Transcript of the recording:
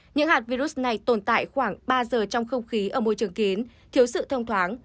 những hạt virus này tồn tại khoảng ba giờ trong không khí ở môi trường kín thiếu sự thông thoáng